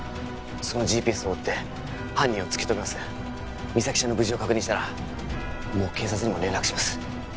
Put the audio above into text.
そのＧＰＳを追って犯人を突き止めます実咲ちゃんの無事を確認したらもう警察にも連絡します